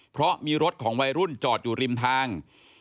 เพราะมีรถของวัยรุ่นจอดอยู่ริมทาง